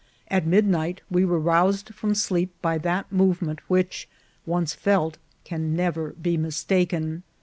At midnight we were roused from sleep by that movement which, once felt, can never be mistaken.